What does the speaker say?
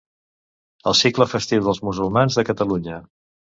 El cicle festiu dels musulmans de Catalunya.